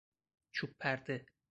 چوب پرده